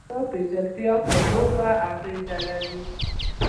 د پيچ حالت پر لوبه اغېز لري.